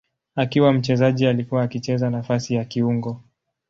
Akiwa mchezaji alikuwa akicheza nafasi ya kiungo.